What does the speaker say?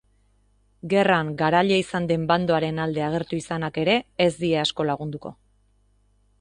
Gerran galtzaile izan den bandoaren alde agertu izanak ere ez die asko lagunduko.